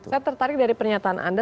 saya tertarik dari pernyataan anda